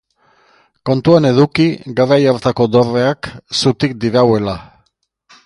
Kontuan eduki garai hartako dorreak zutik dirauela.